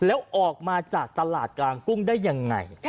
แล้วออกมาจากตลาดกลางกุ้งได้ยังไง